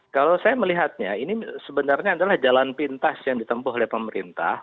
kalau saya melihatnya ini sebenarnya adalah jalan pintas yang ditempuh oleh pemerintah